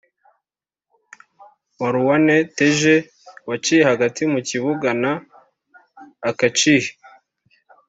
Marouane Tej waciye hagati mu kibuga na Akacihi